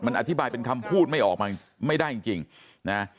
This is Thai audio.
มันอธิบายเป็นคำพูดไม่ออกมาไม่ได้จริงนะ